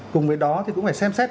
cùng với đó thì cũng phải xem xét